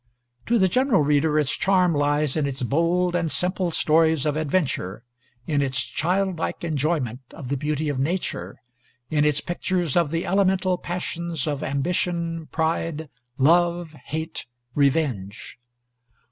To the general reader its charm lies in its bold and simple stories of adventure; in its childlike enjoyment of the beauty of Nature; in its pictures of the elemental passions of ambition, pride, love, hate, revenge.